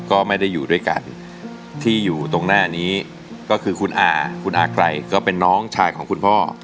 ก็ไม่ได้อยู่ด้วยกันที่อยู่ตรงหน้านี้ก็คือคุณอาคุณอาไกรก็เป็นน้องชายของคุณพ่อ